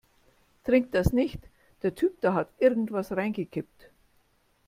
Trink das nicht, der Typ da hat irgendetwas reingekippt.